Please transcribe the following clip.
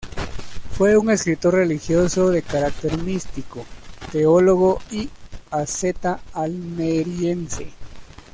Fue un escritor religioso de carácter místico, teólogo y asceta almeriense.